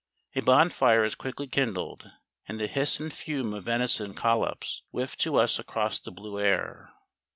A bonfire is quickly kindled, and the hiss and fume of venison collops whiff to us across the blue air.